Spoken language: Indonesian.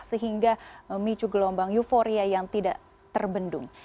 sehingga memicu gelombang euforia yang tidak terbendung